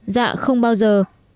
dạ không bao giờ